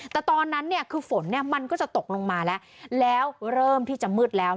แต่ตอนนั้นคือฝนมันก็จะตกลงมาแล้วแล้วเริ่มที่จะมืดแล้ว